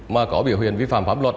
mà có biểu hiện vi phạm pháp luật